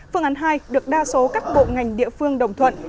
phương án hai được đa số các bộ ngành địa phương đồng thuận